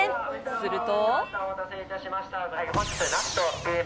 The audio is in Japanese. すると。